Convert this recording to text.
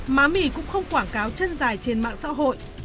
má mì cũng không quảng cáo chân dài trên mạng xã hội